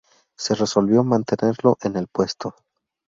Se resolvió mantenerlo en el puesto.